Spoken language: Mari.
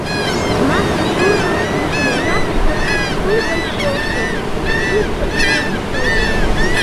Ӱмаште шурно кушмо жапыште тул гай шокшо, кукшо игече шогыш.